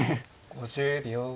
５０秒。